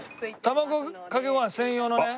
卵かけご飯専用のね。